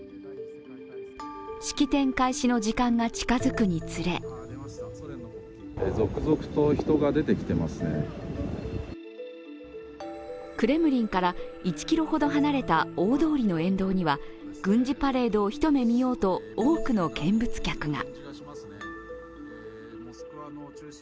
式典開始の時間が近づくにつれクレムリンから１ｋｍほど離れた大通りの沿道には軍事パレードを一目見ようと多くの見物客が。